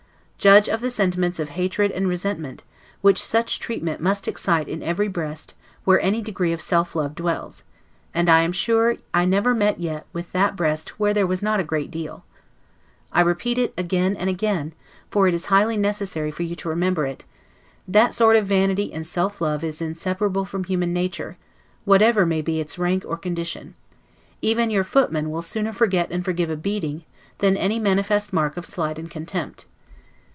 Judge of the sentiments of hatred and resentment, which such treatment must excite in every breast where any degree of self love dwells; and I am sure I never yet met with that breast where there was not a great deal: I repeat it again and again (for it is highly necessary for you to remember it), that sort of vanity and self love is inseparable from human nature, whatever may be its rank or condition; even your footmen will sooner forget and forgive a beating, than any manifest mark of slight and contempt.